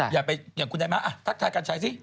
อย่าไปอย่างคุณนายม้าทักทายกัญชัยสิ